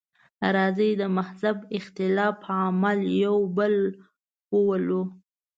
راځئ د مهذب اختلاف په عمل یو بل وولو.